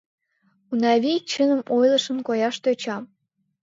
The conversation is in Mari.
— Унавий чыным ойлышын кояш тӧча.